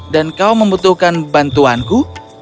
dan kau membutuhkan bantuanku